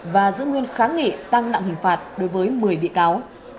và giữ nguyên kháng nghị tăng nặng hình phạt đối với một mươi bị cáo